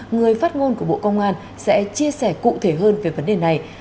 người phát ngôn của bộ công an sẽ chia sẻ cụ thể hơn về vấn đề này